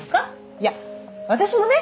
いや私もね